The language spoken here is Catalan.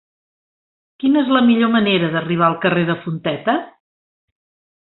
Quina és la millor manera d'arribar al carrer de Fonteta?